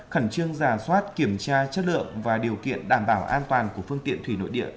khẩn trương giả soát kiểm tra chất lượng và điều kiện đảm bảo an toàn của phương tiện thủy nội địa